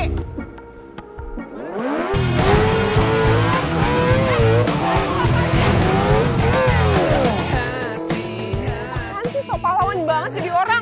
kenapa kan sih sopah lawan banget jadi orang